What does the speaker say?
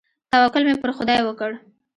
توکل مې پر خداى وکړ.